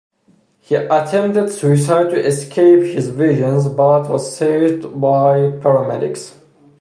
He attempted suicide to escape his visions, but was saved by paramedics.